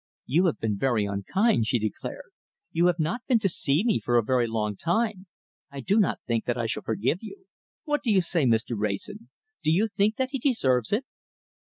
"You have been very unkind," she declared. "You have not been to see me for a very long time. I do not think that I shall forgive you. What do you say, Mr. Wrayson? Do you think that he deserves it?"